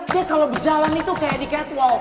gue kalau berjalan itu kayak di catwalk